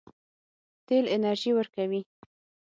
تیل انرژي ورکوي.